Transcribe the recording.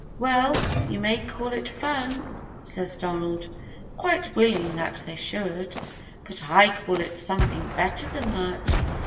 "Well, you may call it fun," says Donald, quite willing that they should, "but I call it something better than that.